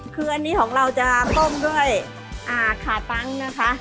คืออันนี้ของเราจะต้มด้วยขาตังค์นะคะ